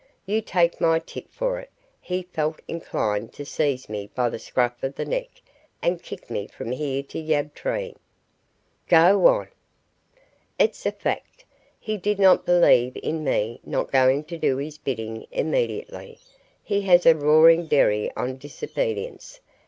You take my tip for it, he felt inclined to seize me by the scruff of the neck and kick me from here to Yabtree." "Go on!" "It's a fact. He did not believe in me not going to do his bidding immediately. He has a roaring derry on disobedience.